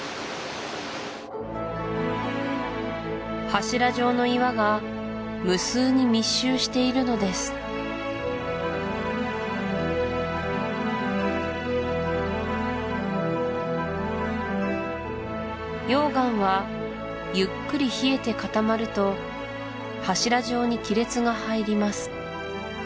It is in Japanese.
柱状の岩が無数に密集しているのです溶岩はゆっくり冷えて固まると柱状に亀裂が入ります